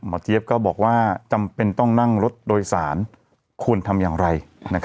เจี๊ยบก็บอกว่าจำเป็นต้องนั่งรถโดยสารควรทำอย่างไร